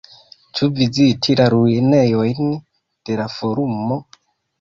Ĉu viziti la ruinejojn de la Forumo?